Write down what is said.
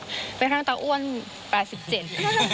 มันให้ทำตาแรกอ้วน๘๗